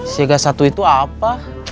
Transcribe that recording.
siaga satu itu apa